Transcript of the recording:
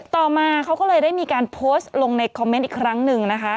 ต่อมาเขาก็เลยได้มีการโพสต์ลงในคอมเมนต์อีกครั้งหนึ่งนะคะ